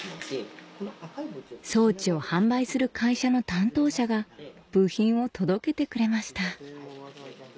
装置を販売する会社の担当者が部品を届けてくれました